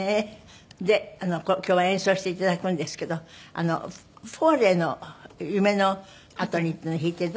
で今日は演奏して頂くんですけどフォーレの『夢のあとに』っていうのを弾いて頂くんで。